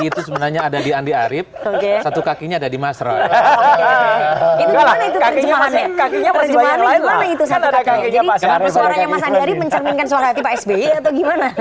jadi suaranya mas andi arief mencerminkan suara tipe sbi atau gimana